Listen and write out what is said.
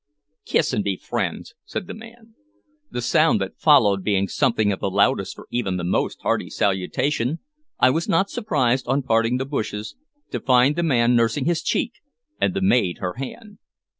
"Kiss and be friends," said the man. The sound that followed being something of the loudest for even the most hearty salutation, I was not surprised, on parting the bushes, to find the man nursing his cheek, and the maid her hand.